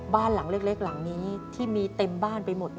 บ้านหลังเล็กหลังนี้ที่มีเต็มบ้านไปหมด